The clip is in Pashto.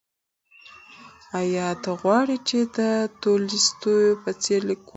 ایا ته غواړې چې د تولستوی په څېر لیکوال شې؟